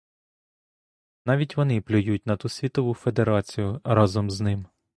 Навіть вони плюють на ту світову федерацію разом з ним.